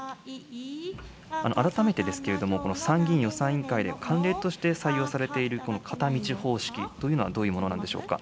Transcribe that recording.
改めてですけれども、参議院予算委員会では慣例として採用されている、この片道方式というのは、どういうものなんでしょうか。